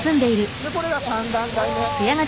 これが３段階目。